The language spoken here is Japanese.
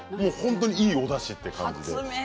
いいおだしという感じで。